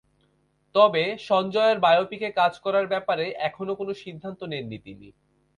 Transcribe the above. তবে, সঞ্জয়ের বায়োপিকে কাজ করার ব্যাপারে এখনও কোন সিদ্ধান্ত নেননি তিনি।